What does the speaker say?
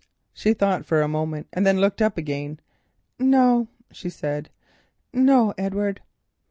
She thought for a moment, and then looked up again. "No," she said, "no, Edward."